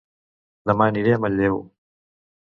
Dema aniré a Manlleu